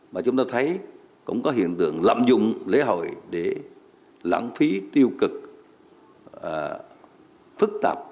mà chúng ta thấy cũng có hiện tượng lạm dụng lễ hội để lãng phí tiêu cực phức tạp an ninh đặc ở một số nơi